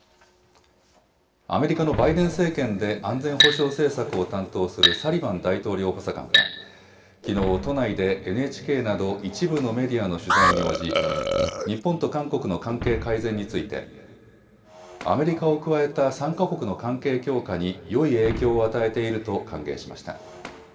アメリカのバイデン政権で安全保障政策を担当するサリバン大統領補佐官はきのう都内でＮＨＫなど一部のメディアの取材に応じ日本と韓国の関係改善についてアメリカを加えた３か国の関係強化によい影響を与えていると歓迎しました。